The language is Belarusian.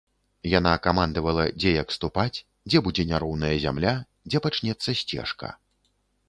Яна камандавала, дзе як ступаць, дзе будзе няроўная зямля, дзе пачнецца сцежка.